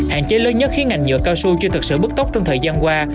hạn chế lớn nhất khiến ngành nhựa cao su chưa thực sự bước tốc trong thời gian qua